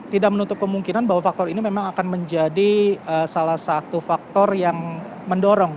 tidak menutup kemungkinan bahwa faktor ini memang akan menjadi salah satu faktor yang mendorong